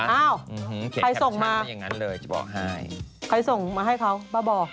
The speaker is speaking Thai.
อ้าวใครส่งมาใครส่งมาให้เขาบ้าบอ